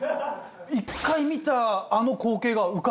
１回見たあの光景が浮かぶ？